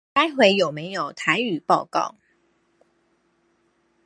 待會有沒有台語報告